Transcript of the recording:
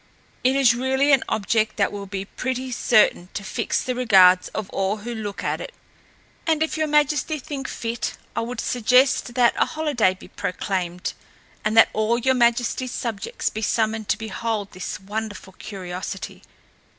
"It is really an object that will be pretty certain to fix the regards of all who look at it. And if your Majesty think fit, I would suggest that a holiday be proclaimed and that all your Majesty's subjects be summoned to behold this wonderful curiosity.